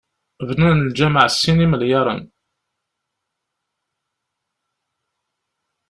Bnan lǧameɛ s sin imelyaren.